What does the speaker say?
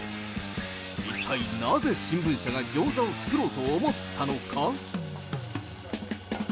一体なぜ、新聞社がギョーザを作ろうと思ったのか。